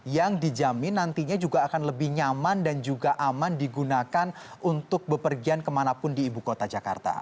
yang dijamin nantinya juga akan lebih nyaman dan juga aman digunakan untuk bepergian kemanapun di ibu kota jakarta